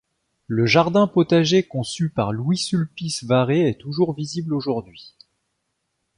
Le jardin-potager conçu par Louis-Sulpice Varé est toujours visible aujourd'hui.